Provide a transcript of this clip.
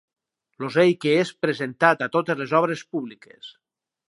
L'ocell que és present a totes les obres públiques.